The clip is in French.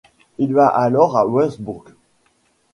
Il va alors à Wurtzbourg.